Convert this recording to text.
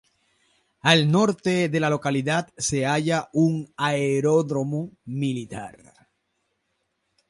Al nordeste de la localidad se halla un aeródromo militar.